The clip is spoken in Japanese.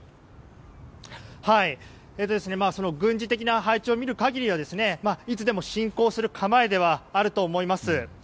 軍事的な配置を見る限りはいつでも侵攻する構えではあると思います。